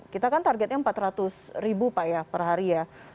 kita kan targetnya empat ratus ribu per hari